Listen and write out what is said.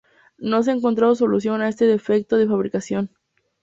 No se ha encontrado solución a este defecto de fabricación.